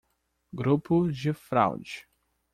Grupo de fraude